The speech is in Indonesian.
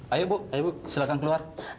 ayo bu silakan keluar